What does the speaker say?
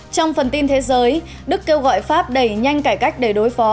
trong phần tin thế giới đức kêu gọi pháp đẩy nhanh cải cách để đối phó